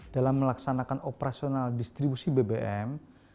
dalam melaksanakan operasional distribusi bbm